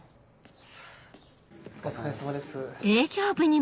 お疲れさまです。